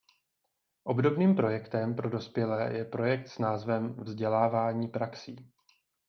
Obdobným projektem pro dospělé je projekt s názvem Vzdělávání praxí.